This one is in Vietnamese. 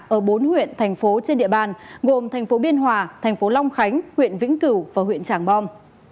ở bốn huyện thành phố trên địa bàn gồm thành phố biên hòa thành phố long khánh huyện vĩnh cửu và huyện tràng bom